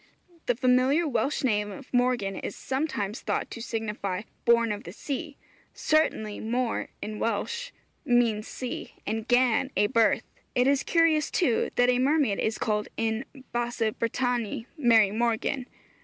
The familiar Welsh name of Morgan is sometimes thought to signify, 'Born of the Sea.' Certainly môr in Welsh means sea, and gân a birth. It is curious, too, that a mermaid is called in Basse Bretagne 'Mary Morgan.'